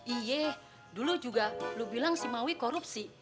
iya dulu juga lu bilang si mawi korupsi